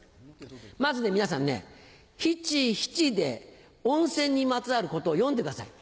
まず皆さんね七・七で温泉にまつわることを詠んでください。